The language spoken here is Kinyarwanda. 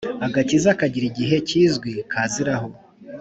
Agakiza kagira igihe kizwi kaziraho